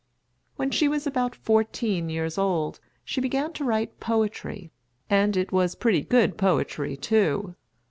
When she was about fourteen years old, she began to write poetry; and it was pretty good poetry, too.